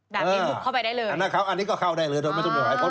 ดังนี้ลุกเข้าไปได้เลยอันนี้ก็เข้าได้เลยไม่จำเป็นหายคน